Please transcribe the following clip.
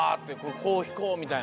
こうひこうみたいな。